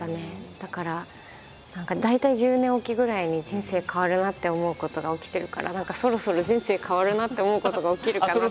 だから何か大体１０年置きぐらいに人生変わるなって思うことが起きてるから何かそろそろ人生変わるなって思うことが起きるかなって。